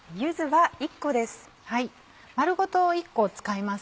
丸ごと１個を使います。